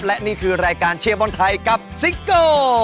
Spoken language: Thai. และนี่คือรายการเชียร์บอลไทยกับซิโก